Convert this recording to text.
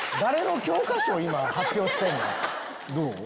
どう？